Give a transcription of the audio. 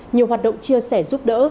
nhiều hoạt động chia sẻ giúp đỡ